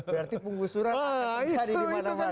berarti penggusuran akan berjadi dimana mana